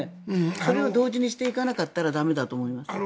それを同時にしていかなかったら駄目だと思います。